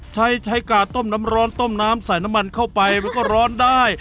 ใช้ใช้กาดต้มน้ำร้อนต้มน้ำใส่น้ำมันเข้าไปมันก็ร้อนได้